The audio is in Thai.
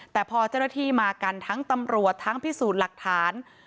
แต่พอเจ้าหน้าที่มากันทั้งตำรวจทั้งพิสูจน์หลักฐาน